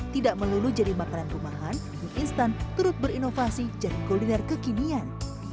tidak melulu jadi makanan rumahan mie instan turut berinovasi jadi kuliner kekinian